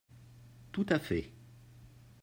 Tout à fait